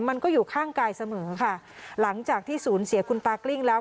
มันก็อยู่ข้างกายเสมอค่ะหลังจากที่ศูนย์เสียคุณตากลิ้งแล้ว